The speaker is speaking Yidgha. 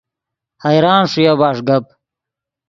حیران ݰویا بݰ گپ